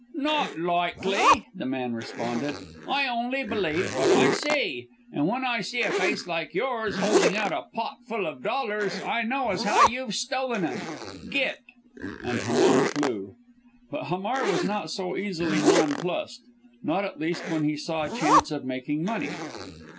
"Not likely!" the man responded, "I only believe what I see! And when I see a face like yours holding out a potful of dollars, I know as how you've stolen them. Git!" and Hamar flew. But Hamar was not so easily nonplussed; not at least when he saw a chance of making money.